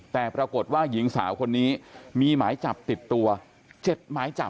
แต่ปรากฏว่าหญิงสาวคนนี้มีหมายจับติดตัว๗หมายจับ